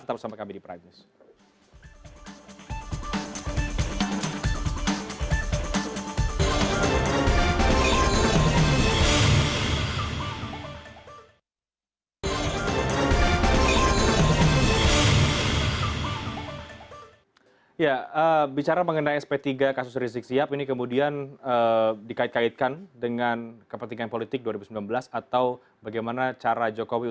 tetap bersama kami di prime news